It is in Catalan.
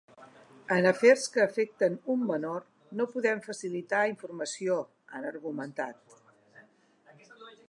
En afers que afecten un menor no podem facilitar informació, han argumentat.